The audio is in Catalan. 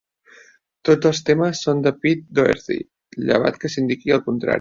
Tots els temes són de Pete Doherty, llevat que s'indiqui el contrari.